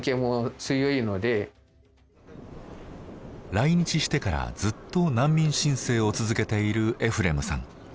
来日してからずっと難民申請を続けているエフレムさん。